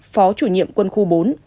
phó chủ nhiệm quân khu bốn